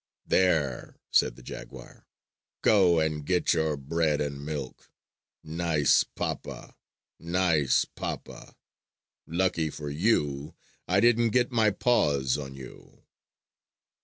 "There!" said the jaguar, "go and get your bread and milk! Nice papa! Nice papa! Lucky for you I didn't get my paws on you!"